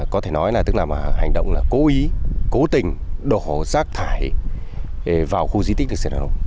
có thể nói là tức là mà hành động là cố ý cố tình đổ rác thải vào khu di tích đền hùng